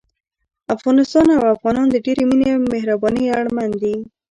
افغانستان او افغانان د ډېرې مينې او مهربانۍ اړمن دي